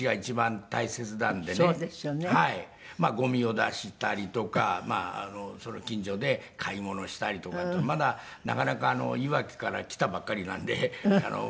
まあゴミを出したりとか近所で買い物したりとかまだなかなかいわきから来たばっかりなんで。